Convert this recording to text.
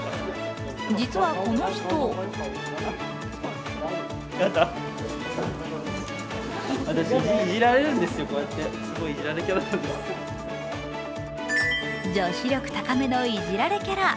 実はこの人女子力高めのいじられキャラ。